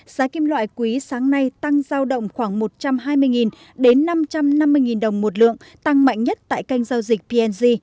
giá kim loại quý sáng nay tăng giao động khoảng một trăm hai mươi đến năm trăm năm mươi đồng một lượng tăng mạnh nhất tại kênh giao dịch png